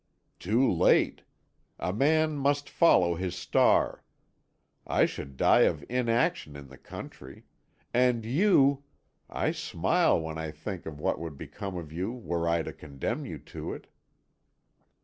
"Too late. A man must follow his star. I should die of inaction in the country; and you I smile when I think what would become of you were I to condemn you to it."